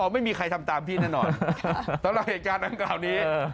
ไม่มีทางไปฯแต่เราเห็นการเรียกต่อนี้